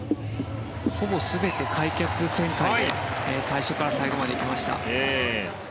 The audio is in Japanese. ほぼ全て開脚旋回で最初から最後までいきました。